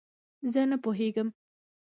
زه نه پوهېږم